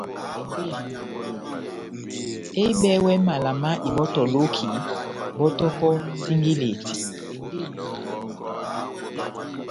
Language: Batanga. Ehɨbɛwɛ mala má ibɔ́tɔ loki, bɔ́tɔkɔ singileti.